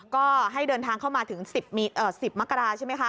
ก็ให้เดินทางเข้ามาถึง๑๐มกราใช่ไหมคะ